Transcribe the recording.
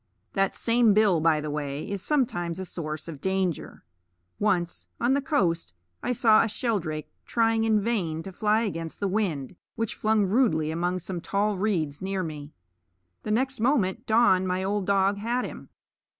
That same bill, by the way, is sometimes a source of danger. Once, on the coast, I saw a shelldrake tying in vain to fly against the wind, which flung rudely among some tall reeds near me. The next moment Don, my old dog, had him.